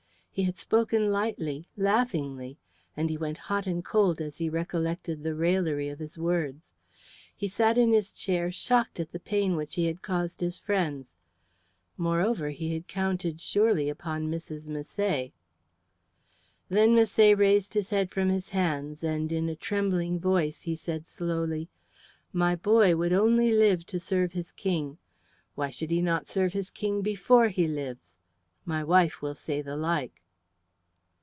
He had spoken lightly, laughingly, and he went hot and cold as he recollected the raillery of his words. He sat in his chair shocked at the pain which he had caused his friend. Moreover, he had counted surely upon Mrs. Misset. Then Misset raised his head from his hands and in a trembling voice he said slowly, "My boy would only live to serve his King. Why should he not serve his King before he lives? My wife will say the like."